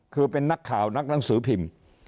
คือเป็นนักข่าวนักหนังสือพิมพ์